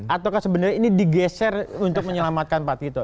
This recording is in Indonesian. ataukah sebenarnya ini digeser untuk menyelamatkan pak tito